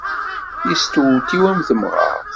Yestewtiw am temɣart.